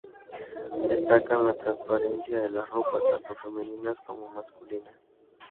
Destacan la transparencia de las ropas, tanto femeninas como masculinas.